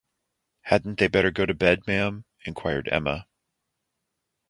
‘Hadn’t they better go to bed, ma’am?’ inquired Emma.